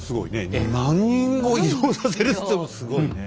２万人を移動させるっつってもすごいね。